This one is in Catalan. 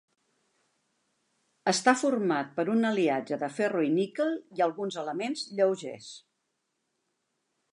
Està format per un aliatge de ferro i níquel i alguns elements lleugers.